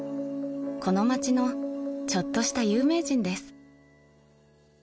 ［この街のちょっとした有名人です］